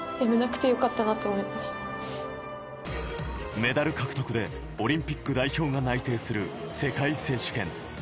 メダル獲得でオリンピック代表が内定する世界選手権。